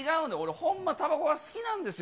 ほんまたばこは好きなんですよ。